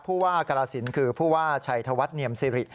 ผู้ว่ากรสินคือผู้ว่าชัยธวัฒน์เนียมสิริ